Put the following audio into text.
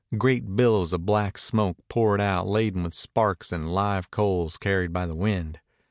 Great billows of black smoke poured out laden with sparks and live coals carried by the wind.